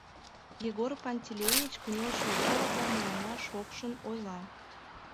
Егор Пантелеич кынел шогале да мыланна шокшын ойла: